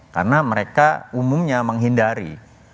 karena mereka umumnya menghindari